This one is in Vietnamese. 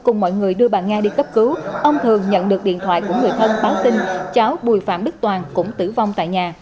cùng mọi người đưa bà nga đi cấp cứu ông thường nhận được điện thoại của người thân báo tin cháu bùi phạm đức toàn cũng tử vong tại nhà